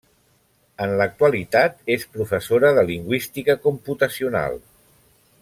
En l'actualitat és professora de Lingüística computacional.